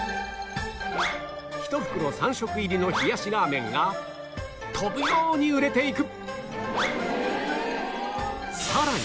１袋３食入りの冷やしラーメンが飛ぶように売れていく